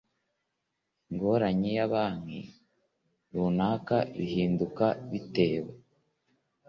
ingorane ya banki runaka bihinduka bitewe